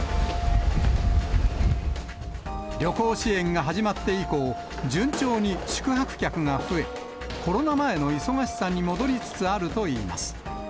旅行支援が始まって以降、順調に宿泊客が増え、コロナ前の忙しさに戻りつつあるといいます。